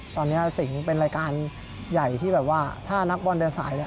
ตอนนี้สิ่งเป็นไลการยับใหญ่ที่แบบว่าถ้านักบอลเดินสาย